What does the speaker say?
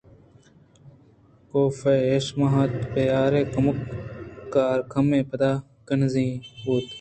کاف ءِ شہمات ءِ بیہار ءُ کمکار کمیں پد کنزگی بوت